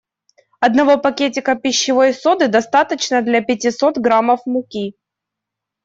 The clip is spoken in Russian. Одного пакетика пищевой соды достаточно для пятисот граммов муки.